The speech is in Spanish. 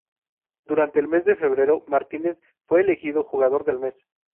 Durante el mes de febrero, Martínez fue elegido "Jugador del mes".